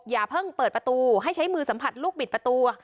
อย่าเพิ่งเปิดประตูให้ใช้มือสัมผัสลูกบิดประตู